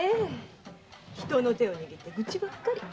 人の手を握ってグチばかり。